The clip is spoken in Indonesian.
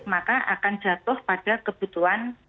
maka akan jatuh pada kebutuhan